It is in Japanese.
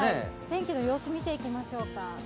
天気の様子を見ていきましょうか。